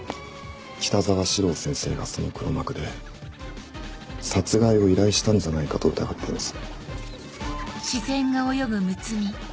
北澤司郎先生がその黒幕で殺害を依頼したんじゃないかと疑っています。